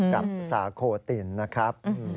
กับสาโคตินนะครับ